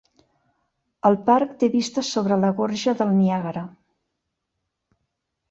El parc té vista sobre la gorja del Niàgara.